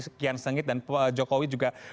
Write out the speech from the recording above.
sekian sengit dan pak jokowi juga